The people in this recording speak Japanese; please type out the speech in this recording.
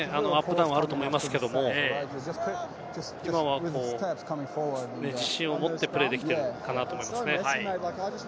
ダウンはあると思いますけれども、今は自信を持ってプレーできているかなと思いますね。